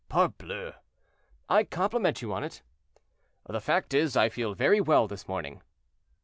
"Parbleu!" "I compliment you on it." "The fact is, I feel very well this morning."